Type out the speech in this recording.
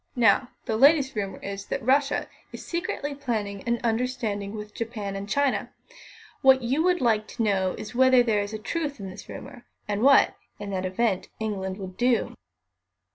Now, the latest rumour is that Russia is secretly planning an understanding with Japan and China. What you would like to know is whether there is truth in the rumour, and what, in that event, England would do."